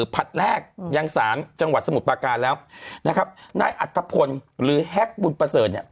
ผลัดแรกยังสารจังหวัดสมุทรปาการแล้วนะครับนายอัตภพลหรือแฮกบุญประเสริฐเนี่ย